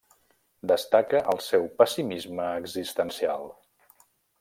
Destaca el seu pessimisme existencial.